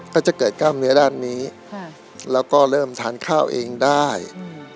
ก็จะเกิดกล้ามเนื้อด้านนี้ค่ะแล้วก็เริ่มทานข้าวเองได้อืม